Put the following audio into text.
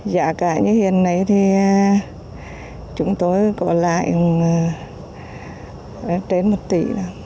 giá cả như hiện nay thì chúng tôi có lãi hơn một tỷ